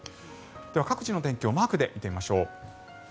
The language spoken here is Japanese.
各地の天気をマークで見てみましょう。